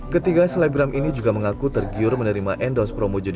ketiga selebgram ini juga mengaku tergiur menerima endos perusahaan